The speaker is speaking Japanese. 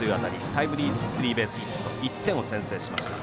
タイムリースリーベースヒットで１点を先制しました。